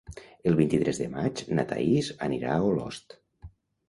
El vint-i-tres de maig na Thaís anirà a Olost.